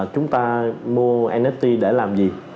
chúng ta mua nft để làm gì